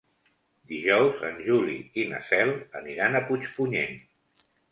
Dijous en Juli i na Cel aniran a Puigpunyent.